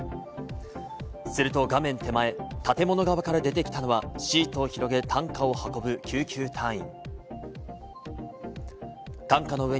すると画面手前、建物側から出てきたのはシートを広げ、担架を運ぶ救急隊員。